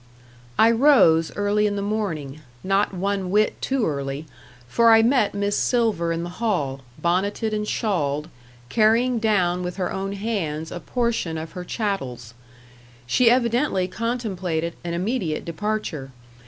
I rose early in the morning; not one whit too early, for I met Miss Silver in the hall, bonneted and shawled, carrying down with her own hands a portion of her chattels. She evidently contemplated an immediate departure.